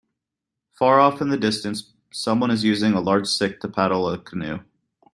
Far off in the distance, someone is using a large stick to paddle a canoe.